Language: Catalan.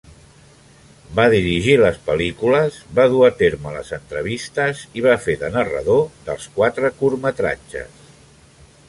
Va dirigir les pel·lícules, va dur a terme les entrevistes i va fer de narrador dels quatre curtmetratges.